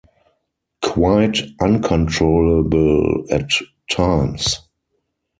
Quite uncontrollable at times.